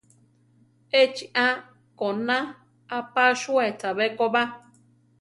Échi a-koná aʼpasúe chabé ko ba.